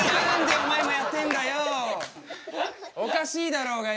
おかしいだろうがよ。